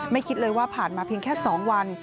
คิดเลยว่าผ่านมาเพียงแค่๒วัน